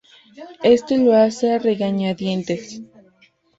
Este lo hace a regañadientes.